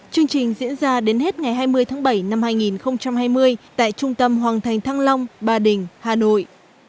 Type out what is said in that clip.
chương trình diễn ra đến hết ngày hai mươi tháng bảy năm hai nghìn hai mươi tại trung tâm hoàng thành thăng long ba đình hà nội